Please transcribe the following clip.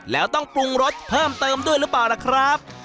แล้วต้องปรุงรสเพิ่มเติมด้วยหรือเปล่าล่ะครับ